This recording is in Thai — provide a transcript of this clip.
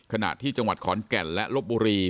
ขณะที่จังหวัดขอนแก่นและลบบุรี